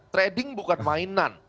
trading bukan mainan